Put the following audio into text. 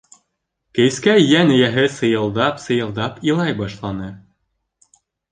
Кескәй йән эйәһе сыйылдап-сыйылдап илай башланы.